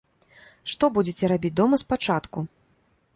Што будзеце рабіць дома спачатку?